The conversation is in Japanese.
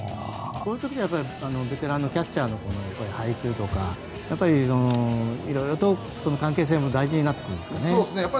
こういう時はベテランのキャッチャーの配球とかいろいろと関係性も大事になってきますよね。